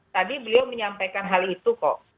tadi beliau menyampaikan hal itu kok